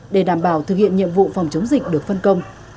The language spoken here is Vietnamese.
để đảm bảo thực hiện nhiệm vụ phòng chống dịch được phân công